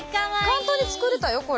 簡単に作れたよこれ。